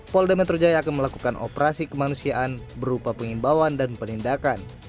pol demetro jaya akan melakukan operasi kemanusiaan berupa pengimbawan dan penindakan